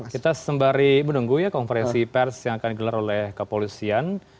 kita sembari menunggu ya konferensi pers yang akan digelar oleh kepolisian